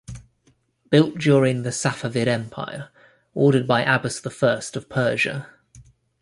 Built during the Safavid Empire, ordered by Abbas the First of Persia.